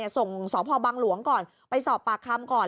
ส่งสพบังหลวงก่อนไปสอบปากคำก่อน